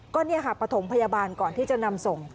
ก็นี่ค่ะปฐมพยาบาลก่อนที่จะนำส่ง